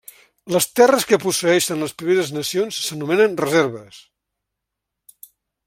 Les terres que posseeixen les Primeres Nacions s'anomenen reserves.